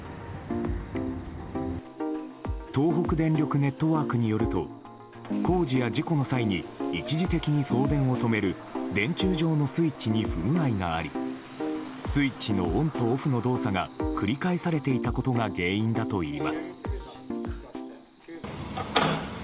東北電力ネットワークによると工事や事故の際に一時的に送電を止める電柱上のスイッチに不具合がありスイッチのオンとオフの動作が繰り返されていたことが原因だといいます。